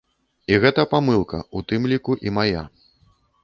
І гэта памылка ў тым ліку і мая.